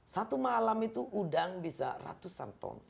satu malam itu udang bisa ratusan ton